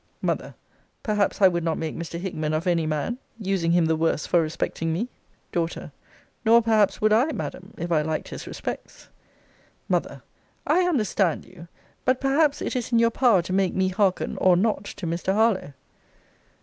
M. Perhaps I would not make Mr. Hickman of any man; using him the worse for respecting me. D. Nor, perhaps, would I, Madam, if I liked his respects. M. I understand you. But, perhaps, it is in your power to make me hearken, or not, to Mr. Harlowe.